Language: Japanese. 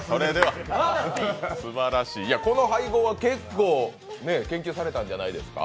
この配合は結構、研究されんたじゃないですか？